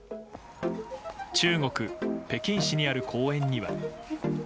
中国・北京市にある公園には。